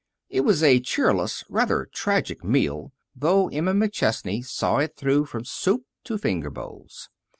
It was a cheerless, rather tragic meal, though Emma McChesney saw it through from soup to finger bowls.